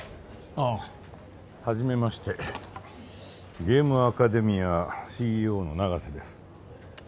ああ初めましてゲームアカデミアＣＥＯの永瀬です